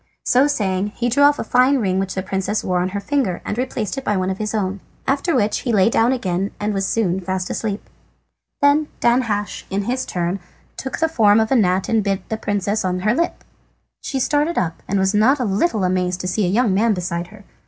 So saying he drew off a fine ring which the princess wore on her finger, and replaced it by one of his own. After which he lay down again and was soon fast asleep. Then Danhasch, in his turn, took the form of a gnat and bit the princess on her lip. She started up, and was not a little amazed at seeing a young man beside her.